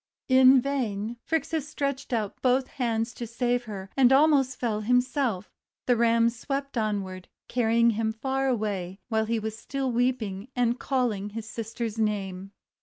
In vain Phrixus stretched out both hands to save her, and almost fell himself; the Ram swept onward, carrying him far away, while he was still weeping, and calling his sister's name.